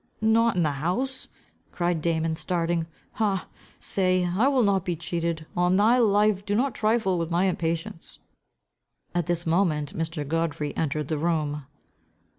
"Not in the house," cried Damon starting, "Ha! say. I will not be cheated. On thy life do not trifle with my impatience." At this moment Mr. Godfrey entered the room.